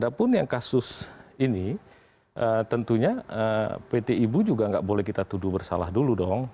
ada pun yang kasus ini tentunya pt ibu juga nggak boleh kita tuduh bersalah dulu dong